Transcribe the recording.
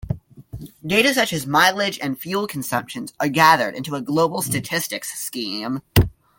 Data such as mileage and fuel consumption are gathered into a global statistics scheme.